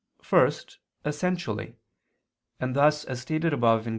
First, essentially, and thus, as stated above (Q.